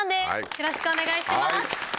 よろしくお願いします。